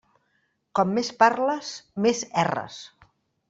Com més parles, més erres.